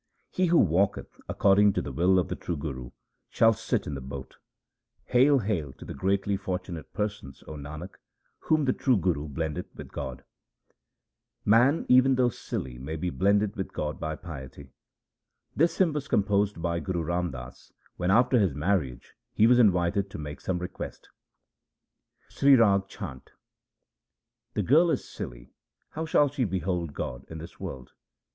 He who walketh according to the will of the true Guru shall sit in the boat. Hail, hail to the greatly fortunate persons, O Nanak, whom the true Guru blendeth with God ! Man even though silly may be blended with God by piety. This hymn was composed by Guru Ram Das when after his marriage he was invited to make some request :— Sri Rag Chhant The girl is silly, how shall she behold God in this world